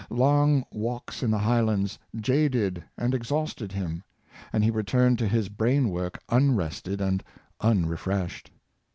Long walks in the Highlands jaded and exhausted him, and he returned to his brain work unrested and unrefreshed.